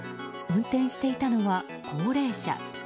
運転していたのは高齢者。